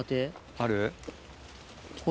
ある？